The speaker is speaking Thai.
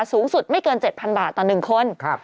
สูงสุดไม่เกิน๗๐๐บาทต่อ๑คน